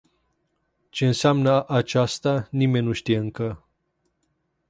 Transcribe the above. Ce înseamnă aceasta, nimeni nu știe încă.